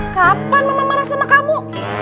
kapan mama marah sama kamu